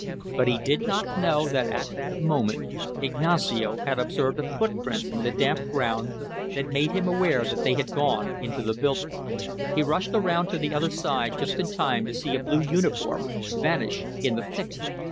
But he did not know that at that moment Ignacio had observed a footprint in the damp ground that made him aware that they had gone into the building; he rushed around to the other side just in time to see a blue uniform vanish in the thicket.